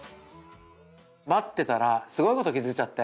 待ってたらすごいこと気づいちゃって。